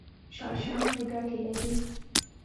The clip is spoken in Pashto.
شړشم څه ګټه لري؟